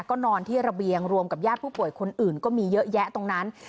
ก็นอนที่ระเบียงรวมกับญาติผู้ป่วยคนอื่นก็มีเยอะแยะตรงนั้น